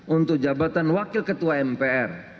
untuk jabatan wakil ketua mpr